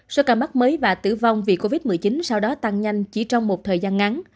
số ca mắc mới và tử vong vì covid một mươi chín sau đó tăng nhanh chỉ trong một thời gian ngắn